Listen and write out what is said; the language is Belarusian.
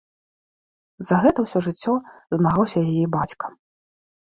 За гэта ўсё жыццё змагаўся яе бацька.